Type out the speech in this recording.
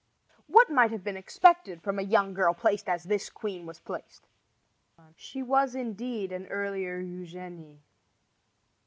What might have been expected from a young girl placed as this queen was placed? She was indeed an earlier Eugenie.